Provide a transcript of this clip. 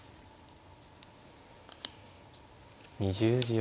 ２０秒。